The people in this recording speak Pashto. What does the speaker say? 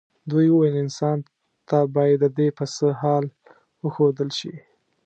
دوی وویل انسان ته باید ددې پسه حال وښودل شي.